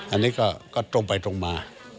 อันนี้ก็ตรงไปตรงมา